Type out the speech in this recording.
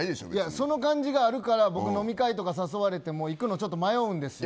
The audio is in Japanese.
その感じがあるから僕、飲み会誘われても行くのをちょっと迷うんですよ。